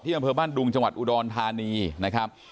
อำเภอบ้านดุงจังหวัดอุดรธานีนะครับ